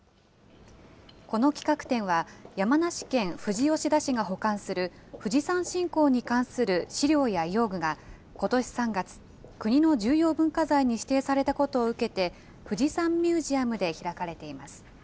この企画展は、山梨県富士吉田市が保管する、富士山信仰に関する資料や用具が、ことし３月、国の重要文化財に指定されたことを受けて、ふじさんミュージアムで開かれています。